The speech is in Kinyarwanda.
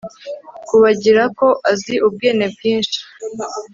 kubagirako azi ubwene bwinshi